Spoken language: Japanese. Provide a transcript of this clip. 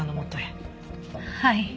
はい。